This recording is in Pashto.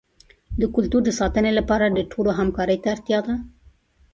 د کلتور د ساتنې لپاره د ټولو همکارۍ ته اړتیا ده.